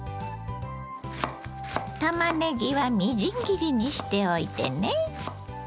たまねぎはみじん切りにしておいてね。